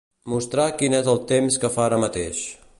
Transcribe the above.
Mostrar quin és el temps que fa ara mateix.